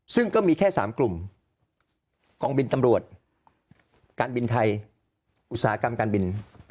ซึ่งก็มีแค่๓กลุ่มกองบินตำรวจการบินไทยอุตสาหกรรมการบิน